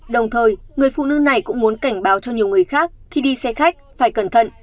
đồng thời người phụ nữ này cũng muốn cảnh báo cho nhiều người khác khi đi xe khách phải cẩn thận